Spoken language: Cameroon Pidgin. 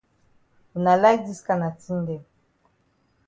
Wuna like dis kana tin dem.